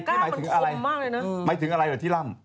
กล้ามันคุมมากเลยนะไม่ถึงอะไรแหละที่ลำ